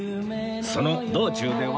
その道中では